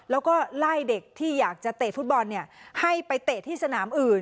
แล้วก็ไล่เด็กที่อยากจะเตะฟุตบอลให้ไปเตะที่สนามอื่น